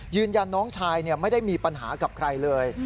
ยืนยันน้องชายไม่ได้มีปัญหากับใครเลย